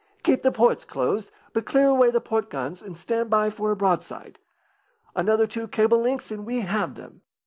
"Keep the ports closed, but clear away the port guns, and stand by for a broadside. Another two cable lengths and we have them."